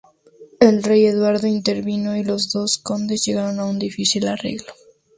El rey Eduardo intervino y los dos condes llegaron a un difícil arreglo.